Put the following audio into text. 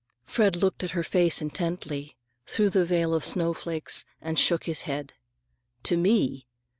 Fred looked at her face intently, through the veil of snowflakes, and shook his head. "To me?